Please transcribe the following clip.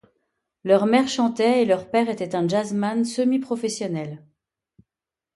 Leur mère chantait et leur père était un jazzman semi-professionnel.